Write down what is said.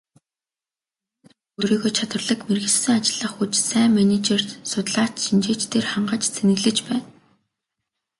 Өмнөд хөрш өөрийгөө чадварлаг мэргэшсэн ажиллах хүч, сайн менежер, судлаач, шинжээчдээр хангаж цэнэглэж байна.